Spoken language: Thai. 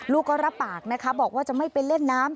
ก็รับปากนะคะบอกว่าจะไม่ไปเล่นน้ำ